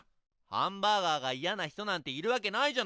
ハンバーガーが嫌な人なんているわけないじゃない。